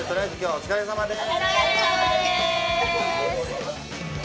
お疲れさまです。